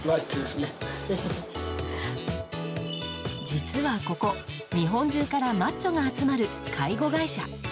実はここ日本中からマッチョが集まる介護会社。